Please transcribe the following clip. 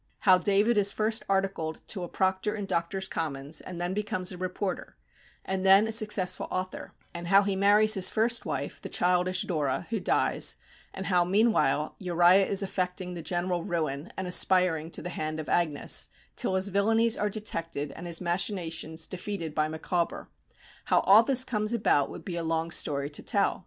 How David is first articled to a proctor in Doctors' Commons, and then becomes a reporter, and then a successful author; and how he marries his first wife, the childish Dora, who dies; and how, meanwhile, Uriah is effecting the general ruin, and aspiring to the hand of Agnes, till his villanies are detected and his machinations defeated by Micawber how all this comes about, would be a long story to tell.